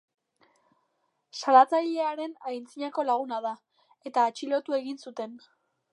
Salatzailearen antzinako laguna da, eta atxilotu egin zuten.